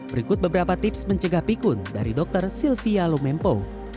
berikut beberapa tips mencegah pikun dari dr sylvia lumempo